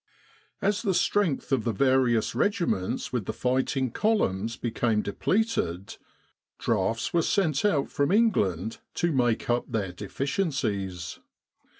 As the strength of the various regiments with the fighting columns became depleted, drafts were sent out from England to make up their deficiencies.